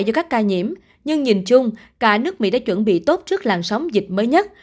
do các ca nhiễm nhưng nhìn chung cả nước mỹ đã chuẩn bị tốt trước làn sóng dịch mới nhất